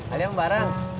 alia mau bareng